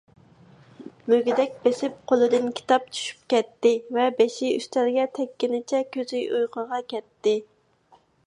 مۈگدەك بېسىپ قولىدىن كىتاب چۈشۈپ كەتتى ۋە بېشى ئۈستەلگە تەگكىنىچە كۆزى ئۇيقۇغا كەتتى.